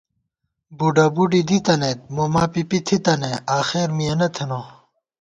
بُڈہ بُڈی دِی تنَئیت ، موما پِپِی تھِتہ نئ آخر مِیَنہ تھنہ